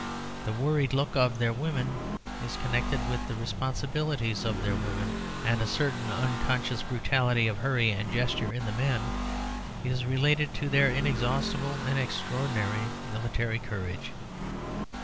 The worried look of their women is connected with the responsibility of their women; and a certain unconscious brutality of hurry and gesture in the men is related to their inexhaustible and extraordinary military courage.